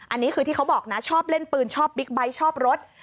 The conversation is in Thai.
อันนี้คือที่เขาบอกนะชอบเล่นปืนชอบบิ๊กไบท์ชอบรถ